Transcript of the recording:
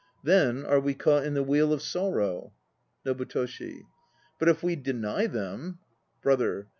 Then are we caught in the wheel of sorrow. NOBUTOSHI. But if we deny them ... BROTHER.